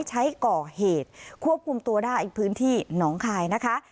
ใช้ก่อเหตุควบคุมตัวได้พื้นที่หนองคายนะคะ